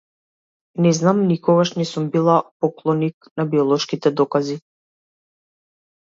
Не знам, никогаш не сум била поклоник на биолошките докази.